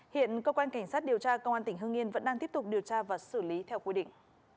hiện cơ quan cảnh sát điều tra công an tỉnh hương yên vẫn đang tiếp tục điều tra và xử lý theo quy định